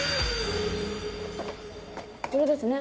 これですね。